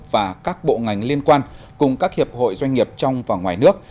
và các bộ ngành liên quan cùng các hiệp hội doanh nghiệp trong và ngoài nước